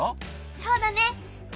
そうだね！